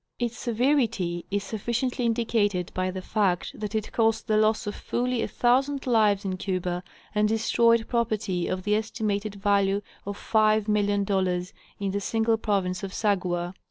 Its severity is sufficiently indicated by the fact that it caused the loss of fully a thousand lives in Cuba, and destroyed property of the estimated value of $5,000,000 in the single province of Sagua.